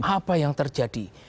apa yang terjadi